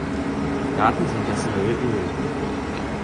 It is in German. Daten sind das neue Öl.